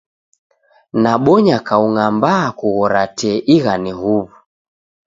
Nabonya kaung'a mbaa kughora tee ighane huw'u!